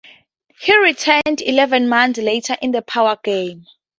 He returned eleven months later in "The Power Game".